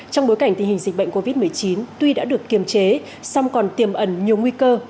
trong bối cảnh tình hình dịch bệnh covid một mươi chín tuy đã được kiềm chế song còn tiềm ẩn nhiều nguy cơ